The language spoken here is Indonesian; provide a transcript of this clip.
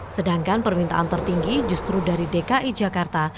sedangkan permintaan tertinggi justru dari dki jakarta